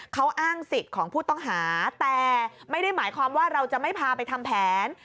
เขาอ้างสิทธิ์ของผู้ต้องหาแต่ไม่ได้หมายความว่าเราจะไม่พาไปทำแผน